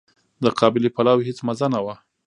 د قابلي پلو هيڅ مزه نه وه.